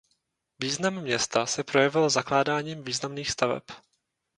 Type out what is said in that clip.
Význam města se projevil zakládáním významných staveb.